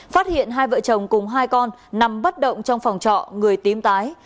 phát hiện hai vợ chồng cùng hai con nằm bất động trong phòng trọ người tím tái